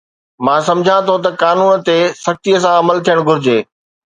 مان سمجهان ٿو ته قانون تي سختي سان عمل ٿيڻ گهرجي